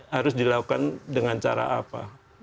harus dilakukan dengan cara apa